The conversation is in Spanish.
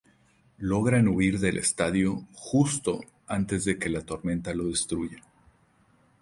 Logran huir del estadio justo antes de que la tormenta lo destruya.